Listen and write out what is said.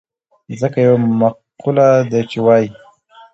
ځکه يوه مقوله ده چې وايي.